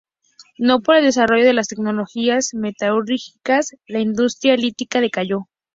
No por el desarrollo de las tecnologías metalúrgicas la industria lítica decayó.